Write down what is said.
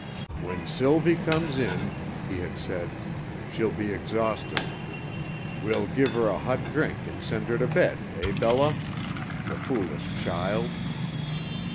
"When Sylvie comes in," he had said, "she'll be exhausted. We'll give her a hot drink and send her to bed, eh, Bella! The foolish child!"